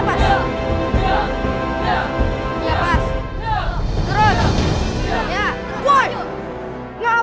mulai berani kalian